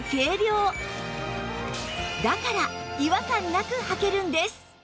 だから違和感なくはけるんです